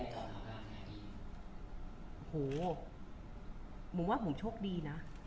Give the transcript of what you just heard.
คุณผู้ถามเป็นความขอบคุณค่ะ